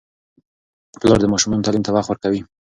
پلار د ماشومانو تعلیم ته وخت ورکوي.